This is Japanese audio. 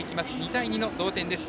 ２対２の同点です。